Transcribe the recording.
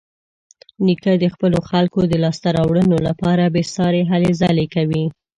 نیکه د خپلو خلکو د لاسته راوړنو لپاره بېسارې هلې ځلې کوي.